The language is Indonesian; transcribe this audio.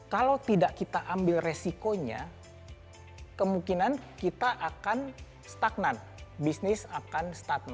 kalau tidak kita ambil resikonya kemungkinan kita akan stagnan